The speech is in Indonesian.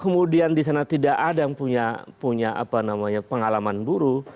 kemudian di sana tidak ada yang punya apa namanya pengalaman buruh